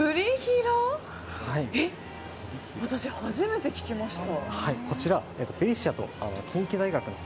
私、初めて聞きました。